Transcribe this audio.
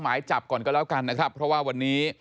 หมายจับก่อนก็แล้วกันนะครับเพราะว่าวันนี้